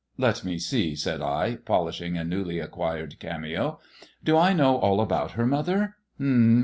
" Let me see," said I, polishing a newly acquired cameo* ■* Do I know all about her, mother